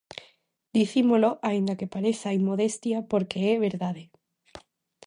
Dicímolo, aínda que pareza inmodestia, porque é verdade.